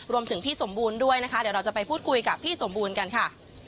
พี่สมบูรณ์ด้วยนะคะเดี๋ยวเราจะไปพูดคุยกับพี่สมบูรณ์กันค่ะ